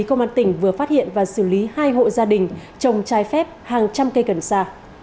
công an tỉnh vừa phát hiện và xử lý hai hộ gia đình trồng trái phép hàng trăm cây cần sa